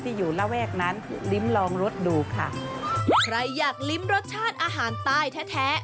อยู่ระแวกนั้นลิ้มลองรสดูค่ะใครอยากลิ้มรสชาติอาหารใต้แท้แท้